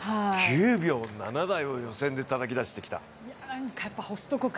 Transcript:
９秒７台を予選でたたき出してきた。